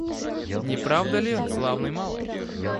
Неправда ли, славный малый?